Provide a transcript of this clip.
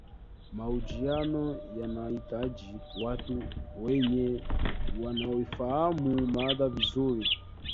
mahojiano yanahitaji watu wenye wanaoifahamu mada vizuri